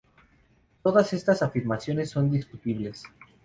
Todas estas afirmaciones son discutibles.